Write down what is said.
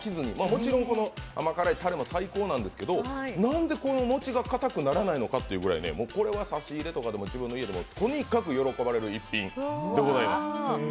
もちろん甘辛いたれも最高なんですけど、なんで餅がかたくならないのかというくらいで、これは差し入れとかでも自分の家でもとにかく喜ばれる１品です。